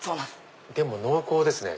でも濃厚ですね。